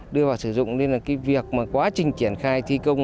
đưa vào sử dụng nên là cái việc mà quá trình triển khai thi công